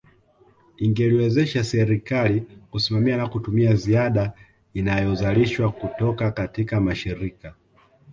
Ingeliwezesha serikali kusimamia na kutumia ziada inayozalishwa kutoka katika mashirika